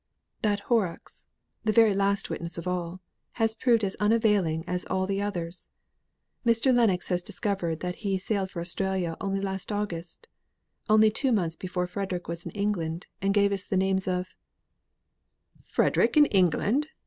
"That Horrocks that very last witness of all, has proved as unavailing as all the others. Mr. Lennox has discovered that he sailed for Australia only last August; only two months before Frederick was in England, and gave us the names of " "Frederick in England!